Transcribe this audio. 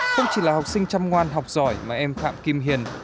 không chỉ là học sinh chăm ngoan học giỏi mà em phạm kim hiền